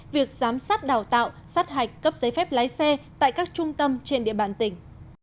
việc giám sát đào tạo sát hạch cấp giấy phép lái xe tại các trung tâm trên địa bàn tỉnh